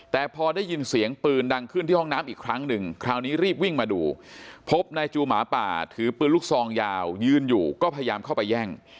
แต่พอได้ยินเสียงปืนดังขึ้นที่ห้องน้ำอีกครั้งหนึ่งคราวนี้รีบวิ่งมาดูพบนายจูหมาป่าถือปืนลูกซองยาวยืนอยู่ก็พยายามเข้าไปแย่ง